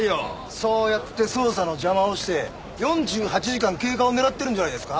そうやって捜査の邪魔をして４８時間経過を狙ってるんじゃないですか？